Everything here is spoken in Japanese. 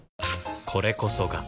これこそが